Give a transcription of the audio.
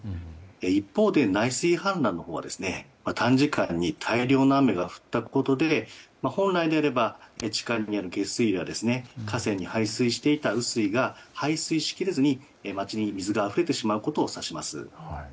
一方で内水氾濫のほうは短時間に大量の雨が降ったことで本来であれば地下にある下水路や河川に排水していた雨水が排水しきれずに街に水があふれてしまうことをいいます。